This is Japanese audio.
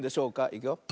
いくよ。